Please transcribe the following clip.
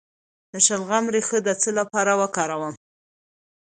د شلغم ریښه د څه لپاره وکاروم؟